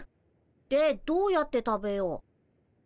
でどうやって食べよう？